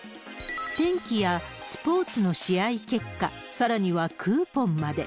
天気やスポーツの試合結果、さらにはクーポンまで。